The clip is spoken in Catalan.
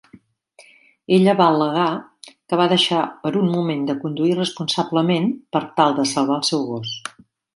Ella va al·legar que va deixar per un moment de conduir responsablement per tal de salvar el seu gos.